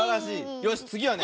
よしつぎはね